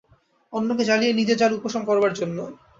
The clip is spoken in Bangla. অন্যকে জ্বালিয়ে নিজের জ্বালা উপশম করবার জন্যে।